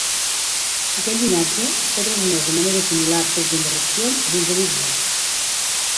Aquest llinatge s'ha transmès de manera similar sense interrupcions fins avui dia.